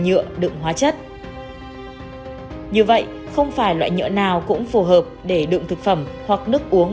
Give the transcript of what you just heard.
nhựa đựng hóa chất như vậy không phải loại nhựa nào cũng phù hợp để đựng thực phẩm hoặc nước uống